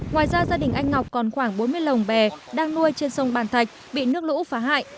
ngoài ra gia đình anh ngọc còn khoảng bốn mươi lồng bè đang nuôi trên sông bàn thạch bị nước lũ phá hại